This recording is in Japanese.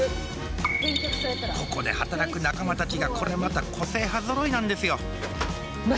ここで働く仲間たちがこれまた個性派ぞろいなんですよ